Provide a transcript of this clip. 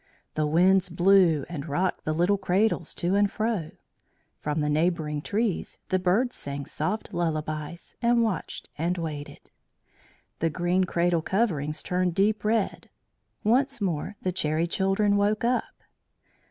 The winds blew and rocked the little cradles to and fro; from the neighbouring trees the birds sang soft lullabies, and watched and waited. The green cradle coverings turned deep red. Once more the Cherry Children woke up.